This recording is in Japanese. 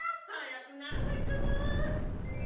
早くならないかな？